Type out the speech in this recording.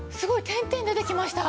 点々出てきました。